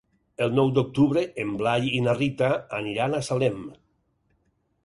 El nou d'octubre en Blai i na Rita aniran a Salem.